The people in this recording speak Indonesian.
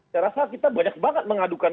saya rasa kita banyak banget mengadukan